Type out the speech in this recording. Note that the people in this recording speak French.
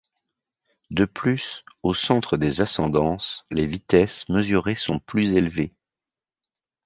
De plus, au centre des ascendances, les vitesses mesurées sont plus élevées.